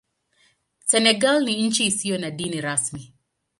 Senegal ni nchi isiyo na dini rasmi.